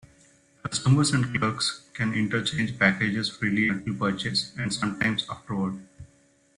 Customers and clerks can interchange packages freely until purchase, and sometimes afterward.